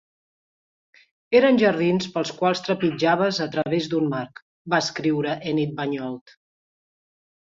Eren jardins pels quals trepitjaves a través d'un marc, va escriure Enid Bagnold.